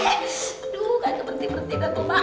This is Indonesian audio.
aduh ganteng berhenti berhenti gatuh pak